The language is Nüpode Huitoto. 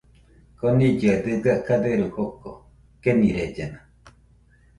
Konillɨe dɨga kaderu joko, kenirellena.